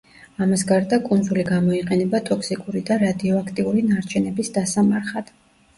ამას გარდა, კუნძული გამოიყენება ტოქსიკური და რადიოაქტიური ნარჩენების დასამარხად.